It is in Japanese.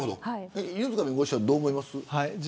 犬塚弁護士はどう思いますか。